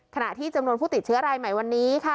ขณะที่จำนวนผู้ติดเชื้อรายใหม่วันนี้ค่ะ